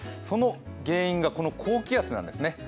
その原因がこの高気圧なんですね。